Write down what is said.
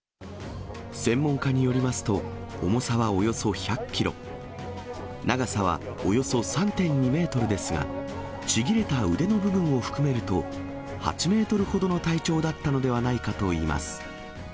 専門家によりますと、重さはおよそ１００キロ、長さはおよそ３．２メートルですが、ちぎれた腕の部分を含めると、８メートルほどの体長だったのではないかといいます。